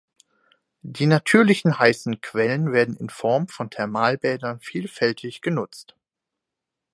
Die natürlichen heißen Quellen werden in Form von Thermalbädern vielfältig genutzt.